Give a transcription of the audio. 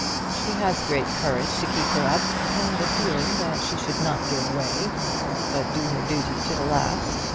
"She has great courage to keep her up, and a feeling that she should not give way, but do her duty to the last.